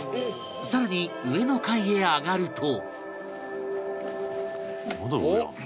更に上の階へ上がると